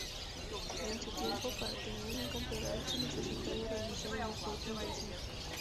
En su tiempo, para tener un cantoral se necesitaba realizar una fuerte inversión.